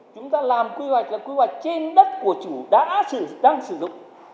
chúng ta làm quy hoạch là quy hoạch trên đất của chủ đã đang sử dụng